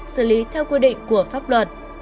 xử lý theo quy định của pháp luật